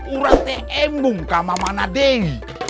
uram teh embung ke mama nadei